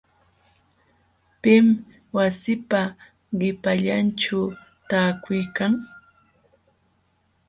¿Pim wasiipa qipallanćhu taakuykan.?